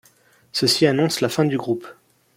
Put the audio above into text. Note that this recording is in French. Ceci annonce la fin du groupe.